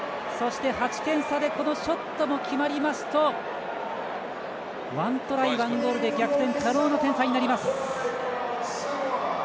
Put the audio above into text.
８点差で、このショットが決まりますと１トライ、１ゴールで逆転可能な点差となります。